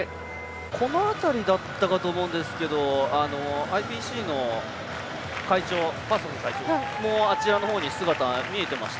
この辺りだったかと思うんですがＩＰＣのパーソンズ会長もあちらのほうに姿が見えていました。